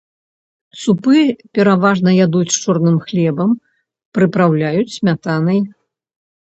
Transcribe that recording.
Супы пераважна ядуць з чорным хлебам, прыпраўляюць смятанай.